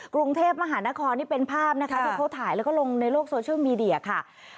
กรุงเทพมหานครนี่เป็นภาพนะคะที่เขาถ่ายแล้วก็ลงในโลกโซเชียลมีเดียค่ะ